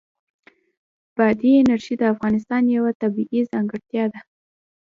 بادي انرژي د افغانستان یوه طبیعي ځانګړتیا ده.